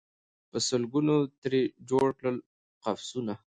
په سل ګونو یې ترې جوړ کړل قفسونه